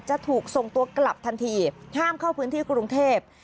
จะถูกส่งตัวกลับทันทีห้ามเข้าพื้นที่กรุงเทพ